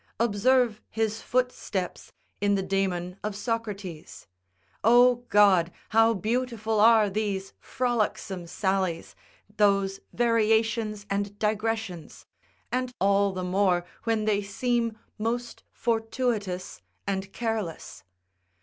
Observe his footsteps in the Daemon of Socrates. O God! how beautiful are these frolicsome sallies, those variations and digressions, and all the more when they seem most fortuitous and careless.